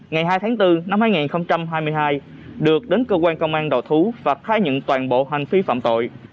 ngày hai tháng bốn năm hai nghìn hai mươi hai được đến cơ quan công an đòi thú và thái nhận toàn bộ hành phi phạm tội